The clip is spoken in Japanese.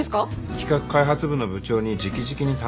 企画開発部の部長に直々に頼まれたんよ。